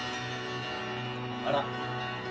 あら。